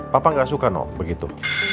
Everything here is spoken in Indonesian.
papa gak suka no begitu